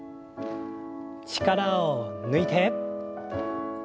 力を抜いて。